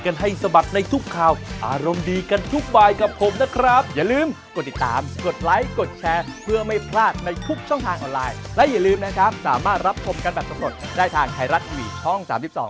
น่ากินน่าทานเห็นแล้วหิวจริง